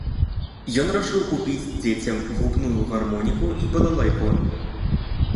Ён рашыў купіць дзецям губную гармоніку і балалайку.